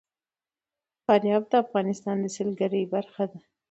فاریاب د افغانستان د سیلګرۍ برخه ده.